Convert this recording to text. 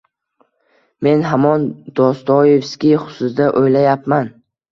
Men hamon Dostoevskiy xususida o’ylayapman